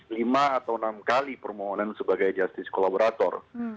lima atau enam kali permohonan sebagai justice kolaborator